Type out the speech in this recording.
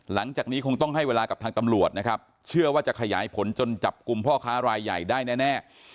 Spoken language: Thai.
หลังจากนี้คงต้องให้เวลากับทางตำรวจนะครับเชื่อว่าจะขยายผลจนจับกลุ่มพ่อค้ารายใหญ่ได้แน่